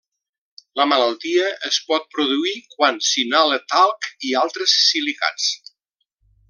La malaltia es pot produir quan s'inhala talc i altres silicats.